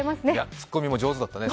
ツッコミも上手だったね